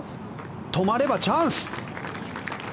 止まればチャンス。